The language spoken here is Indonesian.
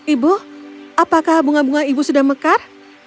ibu apakah bunga bunga ibu sudah mekar